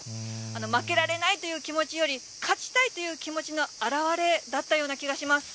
負けられないという気持ちより、勝ちたいという気持ちの表れだったような気がします。